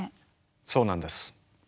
そうなんです。